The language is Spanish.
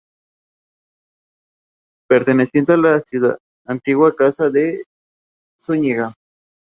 Perteneciente a la antigua Casa de Zúñiga.